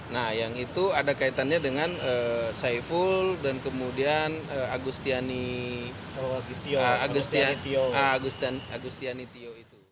nah yang itu ada kaitannya dengan saiful dan kemudian agustiani tio itu